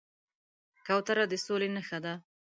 کوتره د سولې نښه ده.